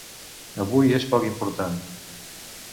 Avui és poc important.